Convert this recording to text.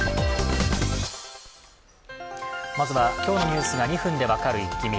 まずは今日のニュースが２分で分かるイッキ見。